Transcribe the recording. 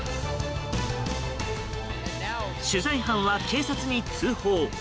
取材班は警察に通報。